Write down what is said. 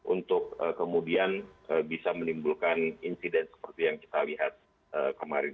untuk kemudian bisa menimbulkan insiden seperti yang kita lihat kemarin